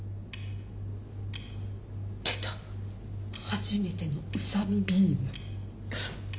初めての宇佐見ビーム。